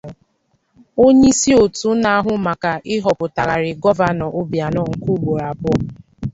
onyeisi otu na-ahụ maka ịhọpụtagharị gọvanọ Obianọ nke ugboro abụọ